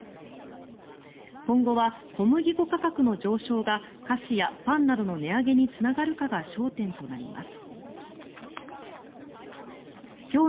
今後は小麦粉価格の上昇が菓子やパンなどの値上げにつながるかが焦点となります。